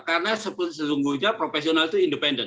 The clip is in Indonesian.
karena sepuluh sesungguhnya profesional itu independen